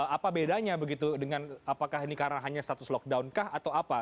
apa bedanya begitu dengan apakah ini karena hanya status lockdown kah atau apa